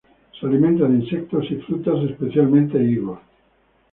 Se alimenta de insectos y frutas, especialmente higos.